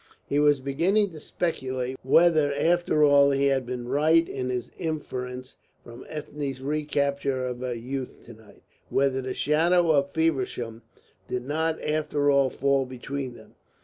He was beginning to speculate whether after all he had been right in his inference from Ethne's recapture of her youth to night, whether the shadow of Feversham did not after all fall between them.